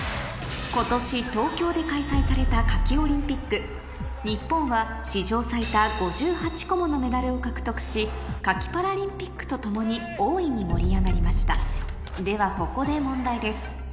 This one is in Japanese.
今年東京で開催された夏季オリンピック日本は史上最多５８個ものメダルを獲得し夏季パラリンピックとともに大いに盛り上がりましたではここで問題です